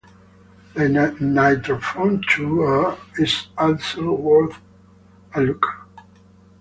The "NitroPhone two a" is also worth a look.